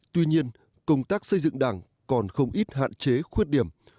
tuy nhiên công tác xây dựng đảng còn không ít hạn chế khuyết điểm